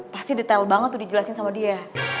pasti detail banget tuh dijelasin sama dia